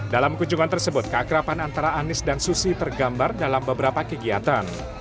dalam kunjungan tersebut keakrapan antara anies dan susi tergambar dalam beberapa kegiatan